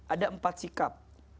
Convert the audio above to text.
ada empat sikap